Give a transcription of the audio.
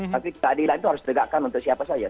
tapi keadilan itu harus ditegakkan untuk siapa saja